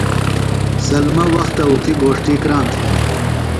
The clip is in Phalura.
سلمہ وختہ اُتھیۡ گھوݜتی کرام تھینیۡ ۔